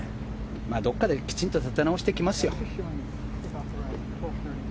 どこかできちんと立て直してきますよ。